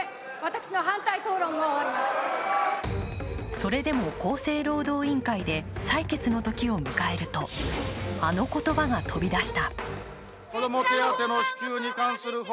それでも厚生労働委員会で採決のときを迎えると、あの言葉が飛び出した。